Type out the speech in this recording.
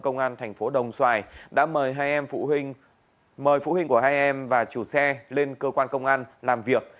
công an thành phố đông xoài đã mời phụ huynh của hai em và chủ xe lên cơ quan công an làm việc